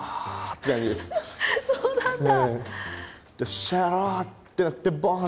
そうなんだ。